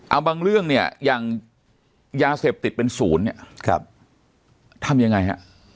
เอาบางเรื่องเนี่ยอย่างยาเสพติดเป็นศูนย์เนี่ยทำยังไงฮะ